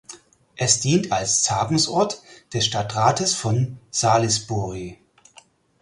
Es dient als Tagungsort des Stadtrates von Salisbury.